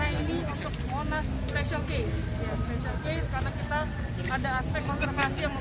maka pohon yang diganti pun diganti pohon yang sudah besar